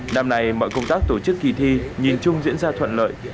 năm nay mọi công tác tổ chức kỳ thi nhìn chung diễn ra thuận lợi